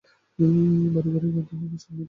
বাড়ি বাড়ি গাজনের সন্ন্যাসী নাচিতে বাহির হইয়াছে।